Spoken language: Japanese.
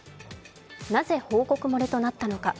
なぜ報告漏れとなったのか。